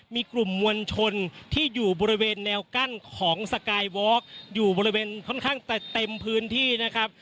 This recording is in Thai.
มีกลุ่มมวลชนที่อยู่บริเวณแนวกั้นของสกายวอล์กอยู่บริเวณค่อนข้างจะเต็มพื้นที่นะครับ